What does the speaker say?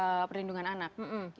undang undang perlindungan anak